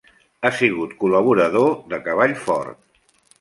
Ha sigut col·laborador de Cavall Fort.